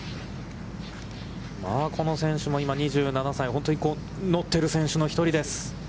まあ、この選手も今２７歳、本当に乗ってる選手の１人です。